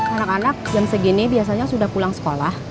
anak anak jam segini biasanya sudah pulang sekolah